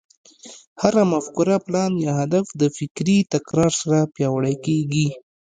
هره مفکوره، پلان، يا هدف د فکري تکرار سره پياوړی کېږي.